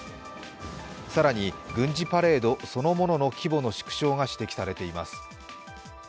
更に、軍事パレードそのものの規模の縮小が指摘されています。